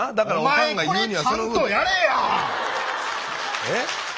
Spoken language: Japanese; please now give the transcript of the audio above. お前さっきからこれちゃんとやれや。